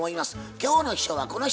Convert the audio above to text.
今日の秘書はこの人。